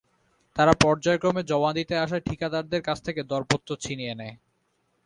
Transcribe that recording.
তারা পর্যায়ক্রমে জমা দিতে আসা ঠিকাদারদের কাছ থেকে দরপত্র ছিনিয়ে নেয়।